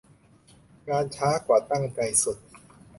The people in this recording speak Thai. งานช้ากว่าตั้งใจสุด